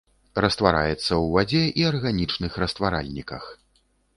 Раствараецца ў вадзе і арганічных растваральніках.